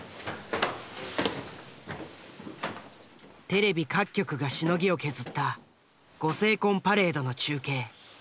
テレビ各局がしのぎを削ったご成婚パレードの中継。